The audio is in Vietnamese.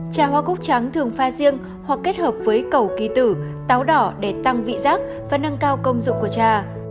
trà hoa cúc trắng thường pha riêng hoặc kết hợp với cầu kỳ tử táo đỏ để tăng vị giác và nâng cao công dụng của trà